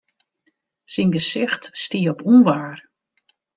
Syn gesicht stie op ûnwaar.